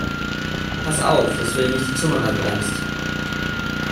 Pass auf, dass du dir nicht die Zunge verbrennst!